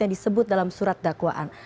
yang disebut dalam surat dakwaan